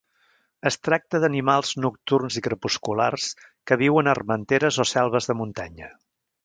Es tracta d'animals nocturns i crepusculars que viuen a armenteres o selves de muntanya.